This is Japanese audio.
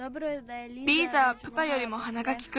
リーザはプパよりもはながきく。